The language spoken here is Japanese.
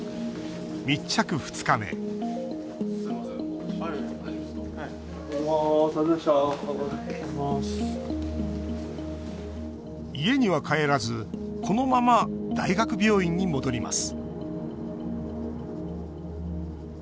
密着２日目家には帰らずこのまま大学病院に戻ります